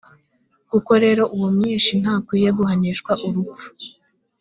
koko rero, uwo mwishi ntakwiye guhanishwa urupfu,